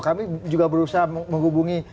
kami juga berusaha menghubungi pihak ika